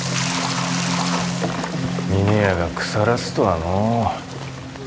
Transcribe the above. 峰屋が腐らすとはのう。